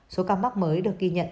số ca mắc mới được ghi nhận